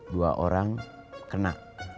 dua orang kena